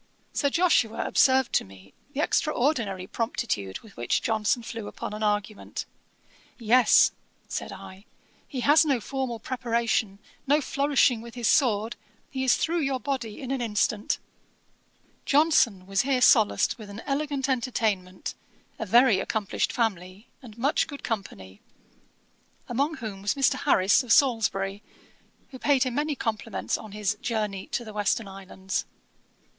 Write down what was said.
Sir Joshua observed to me the extraordinary promptitude with which Johnson flew upon an argument. 'Yes, (said I,) he has no formal preparation, no flourishing with his sword; he is through your body in an instant.' Johnson was here solaced with an elegant entertainment, a very accomplished family, and much good company; among whom was Mr. Harris of Salisbury, who paid him many compliments on his Journey to the Western Islands.